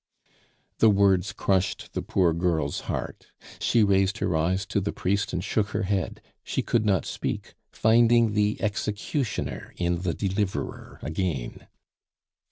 The words crushed the poor girl's heart; she raised her eyes to the priest and shook her head; she could not speak, finding the executioner in the deliverer again.